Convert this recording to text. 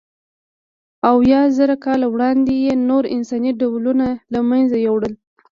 اویازره کاله وړاندې یې نور انساني ډولونه له منځه یووړل.